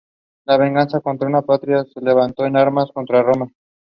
She later met her husband at the shop.